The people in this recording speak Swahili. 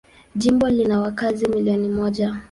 Jimbo lina wakazi milioni moja.